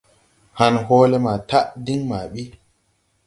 Han hɔɔlɛ maa taʼ diŋ maa ɓi.